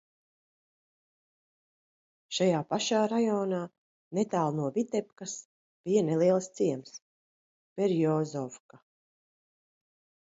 Šajā pašā rajonā, netālu no Vitebkas, bija neliels ciems – Berjozovka.